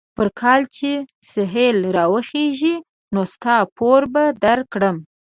پر کال چې سهيل را وخېژي؛ نو ستا پور به در کړم.